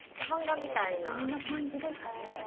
そんな感じですかね。